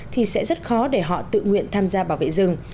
thì sẽ rất khó để họ tự nguyện tham gia bảo vệ rừng